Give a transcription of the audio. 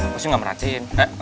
pasti ga merasa